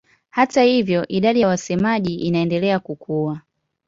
Hata hivyo idadi ya wasemaji inaendelea kukua.